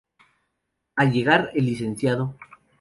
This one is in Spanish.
Al llegar el Lic.